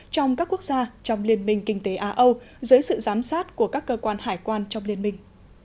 trong các quốc gia trong liên minh kinh tế á âu dưới sự giám sát của các cơ quan hải quan trong liên minh